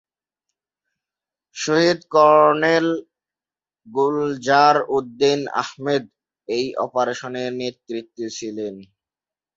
শহীদ colonel Gulzar Uddin Ahmed এই অপারেশনের নেতৃত্বে ছিলেন।